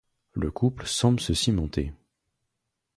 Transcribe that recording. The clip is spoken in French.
Le couple semble se cimenter.